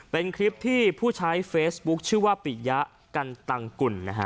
เป็นคลิปที่ผู้ใช้เฟซบุ๊คชื่อว่าปิยะกันตังกุลนะฮะ